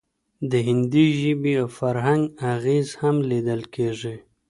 د هندي ژبې او فرهنګ اغیز هم لیدل کیږي